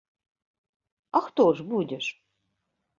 А хто ж будзеш?